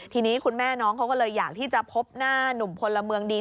ทีนี้คุณแม่น้องเขาก็เลยอยากที่จะพบหน้านุ่มพลเมืองดี